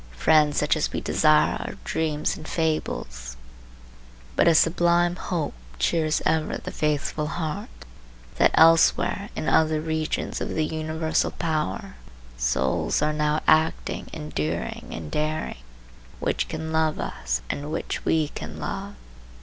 Friends such as we desire are dreams and fables. But a sublime hope cheers ever the faithful heart, that elsewhere, in other regions of the universal power, souls are now acting, enduring, and daring, which can love us and which we can love.